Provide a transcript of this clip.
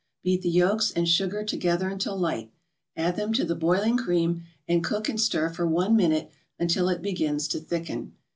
Beat the yolks and sugar together until light, add them to the boiling cream, and cook and stir for one minute until it begins to thicken.